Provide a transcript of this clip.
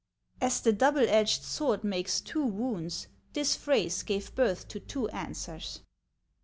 As the double edged sword makes two wounds, this phrase gave birth to two answers.